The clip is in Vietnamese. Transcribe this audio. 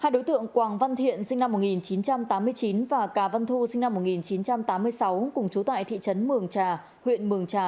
hai đối tượng quảng văn thiện sinh năm một nghìn chín trăm tám mươi chín và cà văn thu sinh năm một nghìn chín trăm tám mươi sáu cùng chú tại thị trấn mường trà huyện mường trà